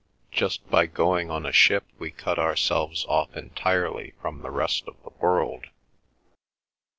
Just by going on a ship we cut ourselves off entirely from the rest of the world.